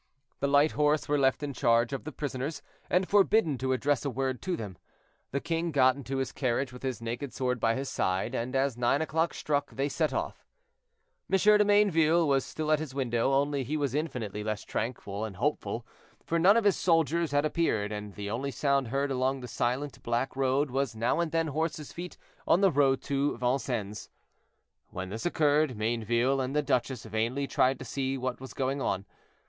The light horse were left in charge of the prisoners, and forbidden to address a word to them. The king got into his carriage with his naked sword by his side, and, as nine o'clock struck, they set off. M. de Mayneville was still at his window, only he was infinitely less tranquil and hopeful, for none of his soldiers had appeared, and the only sound heard along the silent black road was now and then horses' feet on the road to Vincennes. When this occurred, Mayneville and the duchess vainly tried to see what was going on.